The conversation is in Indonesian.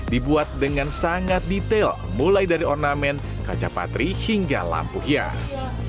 dibuat dengan sangat detail mulai dari ornamen kaca patri hingga lampu hias